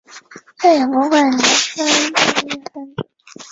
现在的建筑在历史上曾是一座中世纪城堡和文艺复兴城堡。